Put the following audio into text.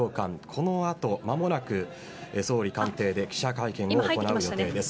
この後、間もなく総理官邸で記者会見を行う予定です。